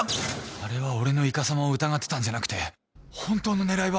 あれは俺のいかさまを疑ってたんじゃなくて本当の狙いは。